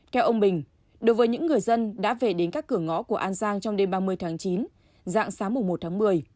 theo ông bình đối với những người dân đã về đến các cửa ngõ của an giang trong đêm ba mươi tháng chín dạng sáng mùng một tháng một mươi